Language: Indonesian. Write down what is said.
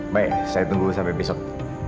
baik saya tunggu sampai besok